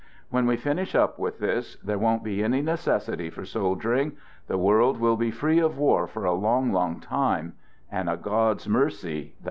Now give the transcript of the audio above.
When we finish up with this, there won't be any necessity for sol diering. The world will be free of war for a long, long time — and a God's mercy, that.